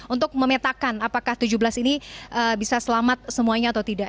untuk memetakan apakah tujuh belas ini bisa selamat semuanya atau tidak